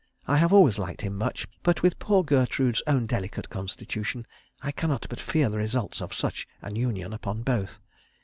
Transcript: I have always liked him much; but with poor Gertrude's own delicate constitution I cannot but fear the results of such an union upon both.